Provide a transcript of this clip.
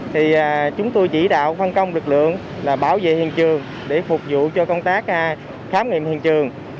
thì chúng tôi chỉ đạo phân công lực lượng là bảo vệ hiện trường để phục vụ cho công tác khám nghiệm hiện trường